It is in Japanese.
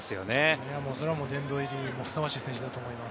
それは殿堂入りもふさわしい選手だと思います。